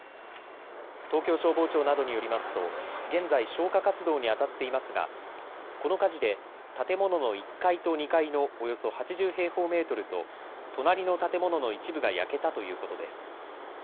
東京消防庁などによりますと現在、消火活動にあたっていますが、この火事で建物の１階と２階のおよそ８０平方メートルと隣の建物の一部が焼けたということです。